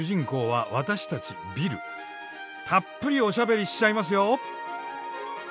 たっぷりおしゃべりしちゃいますよ！